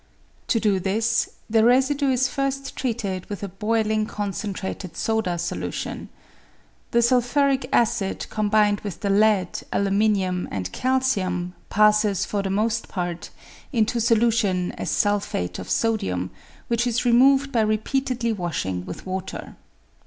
To do this, the residue is first treated with a boiling concentrated soda solution. The sulphuric acid combined with the lead, aluminium, and calcium passes, for the most part, into solution as sul phate of sodium, which is removed by repeatedly washing with water.